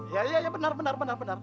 iya iya benar benar